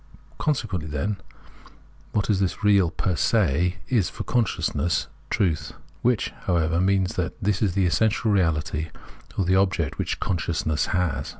Consequently, then, Introduction §7' wtat this real fer se is for consciousness is truth : which, however, means that this is the essential reahty, or the object which consciousness has.